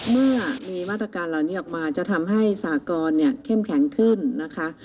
เมื่อมีมาตรการเหล่านี้ออกมาจะทำให้สากรเนี่ยเข้มแข็งขึ้นนะคะ